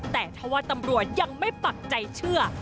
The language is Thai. แต่ถ้าว่าตำรวจยังไม่ปักใจเชื่อ